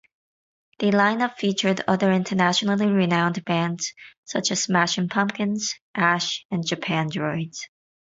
The lineup featured other internationally renowned bands such as Smashing Pumpkins, Ash, and Japandroids.